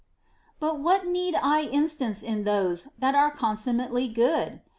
But what need I instance in those that are consummately good'?